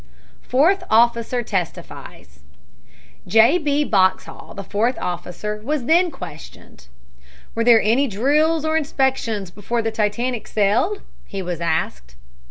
FOURTH OFFICER TESTIFIES J. B. Boxhall, the fourth officer, was then questioned. "Were there any drills or any inspection before the Titanic sailed?" he was asked.